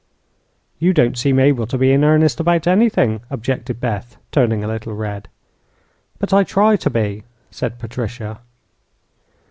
"You don't seem able to be in earnest about anything," objected Beth, turning a little red. "But I try to be." said Patricia.